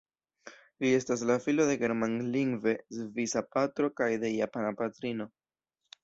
Li estas la filo de germanlingve svisa patro kaj de japana patrino.